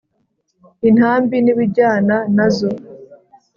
intambi n ibijyana nazo